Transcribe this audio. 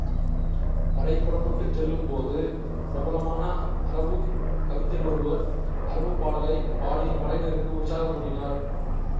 படை புறப்பட்டுச் செல்லும் போது, பிரபலமான அரபுக் கவிஞர் ஒருவர் அரபுப் பாடலைப் பாடி படையினருக்கு உற்சாகமூட்டினார்.